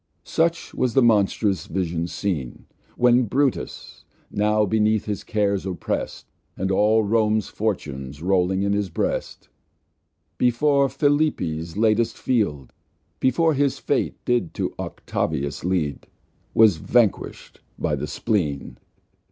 Such was the monstrous Vision seen, When Brutus (now beneath his Cares opprest, And all Rome's Fortunes rolling in his Breast, Before Philippi's latest Field, Before his Fate did to Octavius lead) Was vanquish'd by the Spleen.